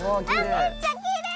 めっちゃきれい！